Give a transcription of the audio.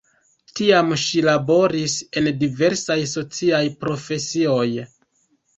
Tiam ŝi laboris en diversaj sociaj profesioj.